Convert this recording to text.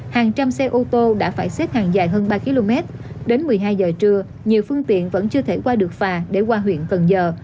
hàng trăm xe ô tô đã phải xếp hàng dài hơn ba km đến một mươi hai giờ trưa nhiều phương tiện vẫn chưa thể qua được phà để qua huyện cần giờ